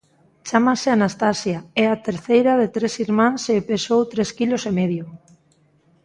Chámase Anastasia, é a tecreira de tres irmáns e pesou tres quilos e medio.